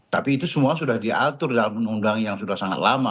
tapi itu semua sudah diatur dalam undang yang sudah sangat lama